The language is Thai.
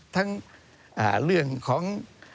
ทั้งเรื่องของ